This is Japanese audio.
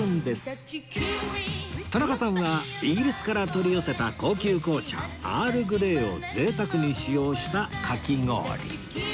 田中さんはイギリスから取り寄せた高級紅茶アールグレイを贅沢に使用したかき氷